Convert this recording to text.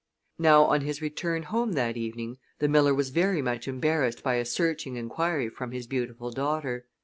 Now, on his return home that evening, the miller was very much embarrassed by a searching inquiry from his beautiful daughter.